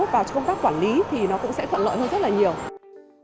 và công tác quản lý thì nó cũng sẽ thuận lợi hơn rất là nhiều